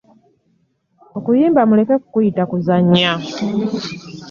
Okuyimba muleke kukuyita kuzannya.